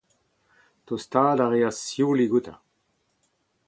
Tostaat a reas sioulik outañ.